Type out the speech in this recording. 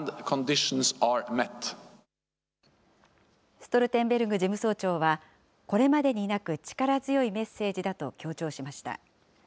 ストルテンベルグ事務総長は、これまでになく力強いメッセージだと強調しました。